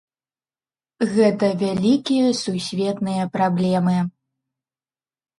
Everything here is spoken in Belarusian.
Гэта вялікія сусветныя праблемы.